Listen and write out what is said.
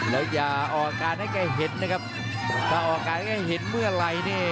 แล้วอย่าออกอาการให้แกเห็นนะครับถ้าออกการให้เห็นเมื่อไหร่นี่